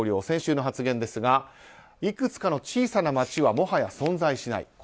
先週の発言ですがいくつかの小さな町はもはや存在しない。